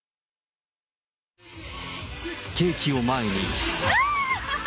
ケーキを前に。